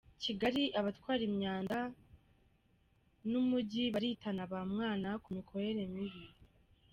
Kigali Abatwara imyanda n’Umujyi baritana bamwana ku mikorere mibi